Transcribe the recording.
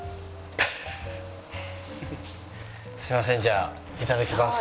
すみませんじゃあいただきます。